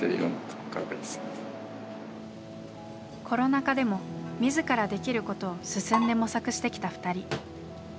コロナ禍でも自らできることを進んで模索してきた２人。